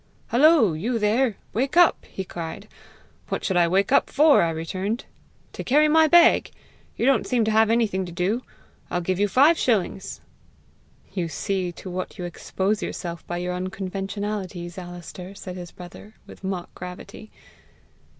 'Hullo, you there! wake up!' he cried. 'What should I wake up for?' I returned. 'To carry my bag. You don't seem to have anything to do! I'll give you five shillings.'" "You see to what you expose yourself by your unconventionalities, Alister!" said his brother, with mock gravity.